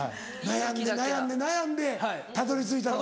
悩んで悩んで悩んでたどり着いたのか。